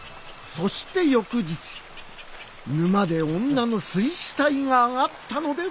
そして翌日沼で女の水死体があがったのでございます。